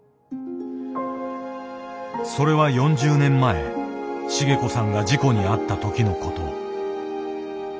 それは４０年前茂子さんが事故に遭ったときのこと。